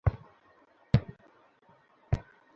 রাত এগিয়ে এল।